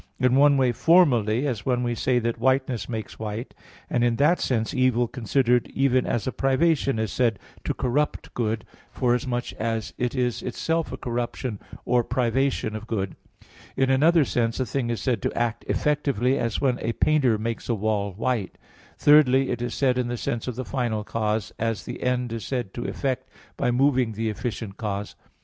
In one way, formally, as when we say that whiteness makes white; and in that sense evil considered even as a privation is said to corrupt good, forasmuch as it is itself a corruption or privation of good. In another sense a thing is said to act effectively, as when a painter makes a wall white. Thirdly, it is said in the sense of the final cause, as the end is said to effect by moving the efficient cause.